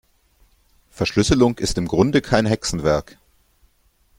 Verschlüsselung ist im Grunde kein Hexenwerk.